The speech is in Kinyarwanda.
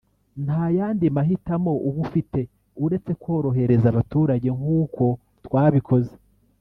nta yandi mahitamo uba ufite uretse korohereza abaturage nk’uko twabikoze